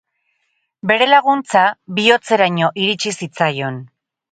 Bere laguntza bihotzeraino iritsi zitzaion.